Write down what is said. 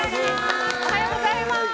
おはようございます。